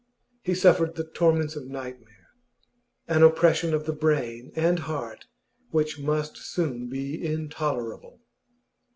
He suffered the torments of nightmare an oppression of the brain and heart which must soon be intolerable.